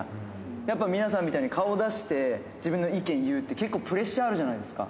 やっぱ皆さんみたいに顔を出して自分の意見言うって、結構、プレッシャーがあるじゃないですか。